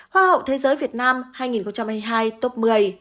hoa hậu thế giới việt nam hai nghìn hai mươi hai top một mươi